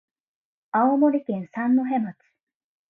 青森県三戸町